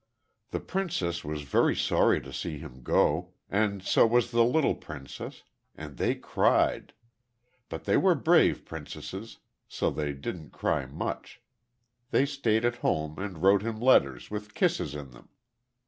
The princess was very sorry to see him go, and so was the little princess; and they cried; but they were brave princesses, so they didn't cry much; they stayed at home and wrote him letters with kisses in them.